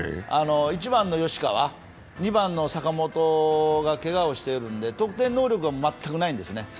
１番の吉川、２番の坂本がけがをしているんで得点能力が全くないんですね。